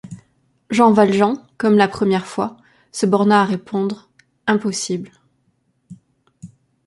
Jean Valjean, comme la première fois, se borna à répondre: — Impossible.